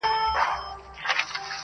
یو پاچاوو د فقیر پر لور مین سو-